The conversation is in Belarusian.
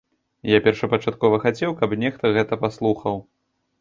Я першапачаткова хацеў, каб нехта гэта паслухаў.